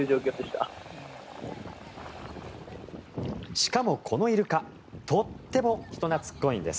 しかも、このイルカとっても人懐っこいんです。